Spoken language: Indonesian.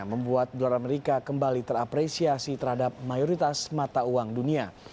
membuat dolar amerika kembali terapresiasi terhadap mayoritas mata uang dunia